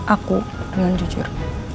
aku dengan jujur